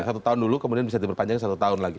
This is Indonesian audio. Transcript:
satu tahun dulu kemudian bisa diperpanjang satu tahun lagi